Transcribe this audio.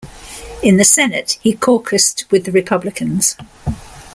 In the Senate, he caucused with the Republicans.